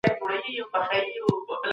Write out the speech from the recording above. سلام د سولې او ارامښت پیغام دی.